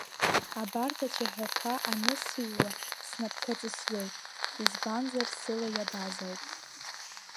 Абарҭ ацәаҳәақәа анысыҩуа снапқәа ҵысуеит, избанзар сыла иабаз ауп…